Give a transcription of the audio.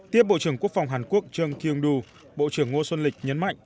tiếp bộ trưởng quốc phòng hàn quốc chung kyung doo bộ trưởng ngo xuân lịch nhấn mạnh